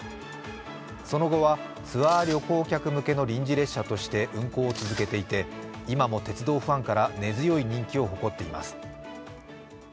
その後は、ツアー旅行客向けの臨時列車として運行を続けていて、今も鉄道ファンから根強い人気を誇っています。